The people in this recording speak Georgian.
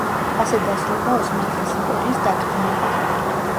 ასე დასრულდა ოსმალეთის იმპერიის დაკნინება.